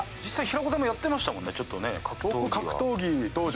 実際平子さんもやってましたもんね格闘技は。